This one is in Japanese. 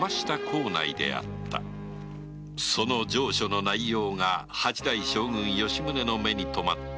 その上書の内容が八代将軍吉宗の目に留まった